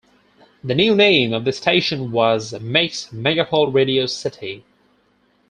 The new name of the station was Mix Megapol Radio City.